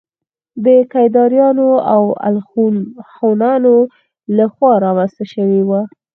د کيداريانو او الخون هونانو له خوا رامنځته شوي وو